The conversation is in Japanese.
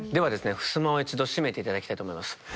ふすまを一度閉めて頂きたいと思います。